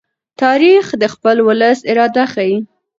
تاریخ د خپل ولس اراده ښيي.